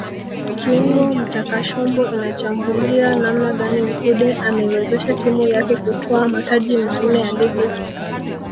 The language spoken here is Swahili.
Kiungo mkatashombo inakuchambulia namna gani Mkude ameiwezesha timu yake kutwaa mataji manne ya Ligi